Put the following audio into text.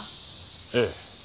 ええ。